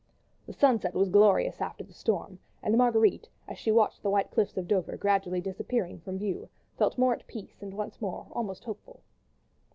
The sunset was glorious after the storm, and Marguerite, as she watched the white cliffs of Dover gradually disappearing from view, felt more at peace and once more almost hopeful.